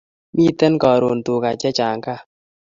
Miten karun tukaa che chang kaa